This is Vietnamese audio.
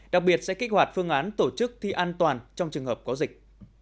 đặc biệt sẽ kích hoạt phương án tổ chức thi an toàn trong trường hợp có dịch